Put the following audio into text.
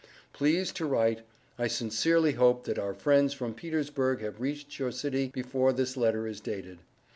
Please to write, I Sincerely hope that our friends from Petersburg have reached your city before this letter is dated.